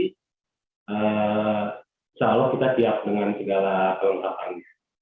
insya allah kita siap dengan segala kelengkapannya